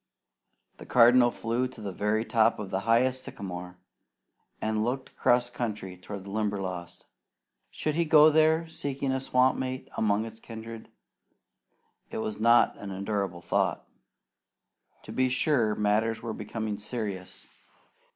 The Cardinal flew to the very top of the highest sycamore and looked across country toward the Limberlost. Should he go there seeking a swamp mate among his kindred? It was not an endurable thought. To be sure, matters were becoming serious.